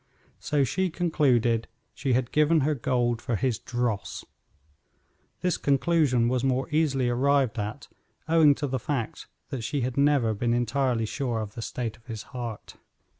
So she concluded she had given her gold for his dross. This conclusion was more easily arrived at owing to the fact that she had never been entirely sure of the state of his heart.